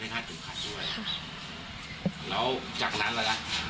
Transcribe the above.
แล้วจากนั้นอะไรล่ะ